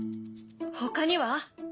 ほかには？